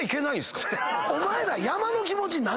お前ら。